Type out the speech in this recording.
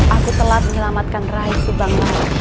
aku telat menyelamatkan rahi subang